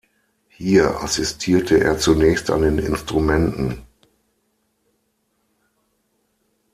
Hier assistierte er zunächst an den Instrumenten.